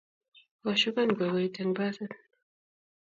Koshukan kokoit eng basit